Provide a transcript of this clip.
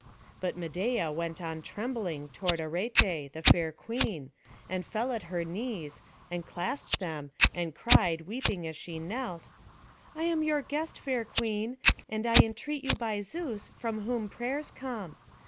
But Medeia went on trembling toward Arete, the fair queen, and fell at her knees, and clasped them, and cried weeping as she knelt: "I am your guest, fair queen, and I entreat you be Zeus from whom prayers come.